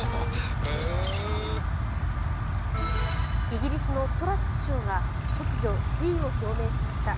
イギリスのトラス首相が突如、辞意を表明しました。